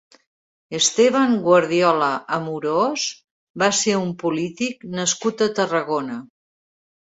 Esteban Guardiola Amorós va ser un polític nascut a Tarragona.